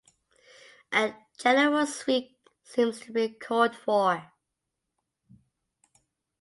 A general sweep seems to be called for.